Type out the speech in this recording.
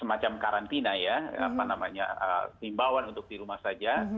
semacam karantina ya apa namanya timbawan untuk di rumah saja